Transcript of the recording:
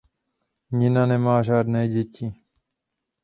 Nina nemá žádné děti.